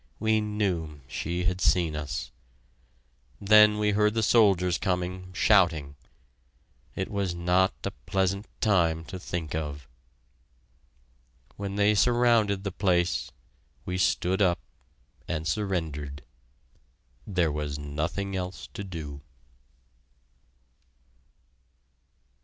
We knew she had seen us. Then we heard the soldiers coming, shouting. It was not a pleasant time to think of. When they surrounded the place, we stood up, and surrendered. There was nothing else to do.